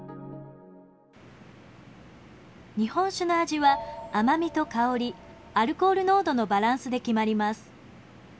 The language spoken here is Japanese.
日本酒の味は甘みと香りアルコール濃度のバランスで決まります。